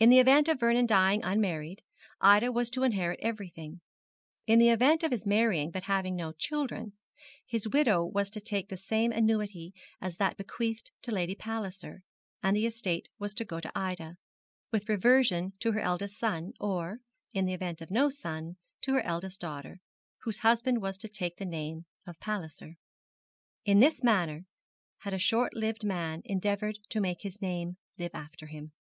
In the event of Vernon dying unmarried, Ida was to inherit everything; in the event of his marrying but having no children, his widow was to take the same annuity as that bequeathed to Lady Palliser, and the estate was to go to Ida, with reversion to her eldest son, or, in the event of no son, to her eldest daughter, whose husband was to take the name of Palliser. In this manner had short lived man endeavoured to make his name live after him.